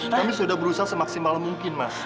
kami sudah berusaha semaksimal mungkin mas